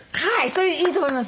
それでいいと思います。